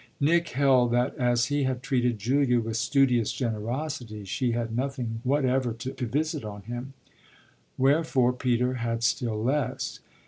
Nick held that as he had treated Julia with studious generosity she had nothing whatever to visit on him wherefore Peter had still less.